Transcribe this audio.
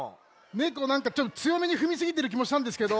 ねこなんかちょっとつよめにふみすぎてるきもしたんですけど。